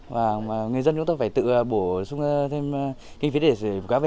và người dân chúng tôi phải tự bổ xuống thêm kinh phí để sử dụng kéo về